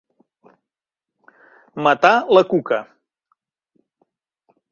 Matar la cuca.